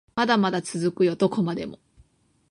まだまだ続くよどこまでも